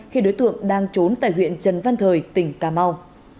khi đối tượng đang trốn tại huyện trần văn thời tỉnh cà mau